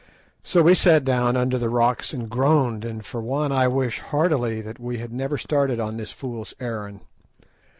So we sat down under the rocks and groaned, and for one I wished heartily that we had never started on this fool's errand.